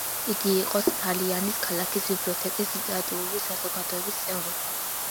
იგი იყო სალიანის ქალაქის ბიბლიოთეკის ლიტერატურული საზოგადოების წევრი.